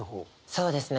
そうですね